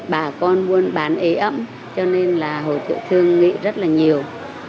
bà con muốn bán ế ấm cho nên là hồ tiệu thương nghị rất là nhiều